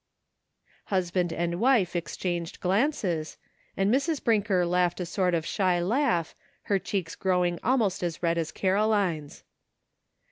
Husband and wife exchanged glances, and Mrs. Brinker laughed a sort of shy laugh, her cheeks growing almost as red as Caroline's.